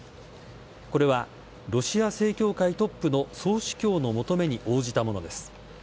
これは、ロシア正教会トップの総主教の求めに応じたものです。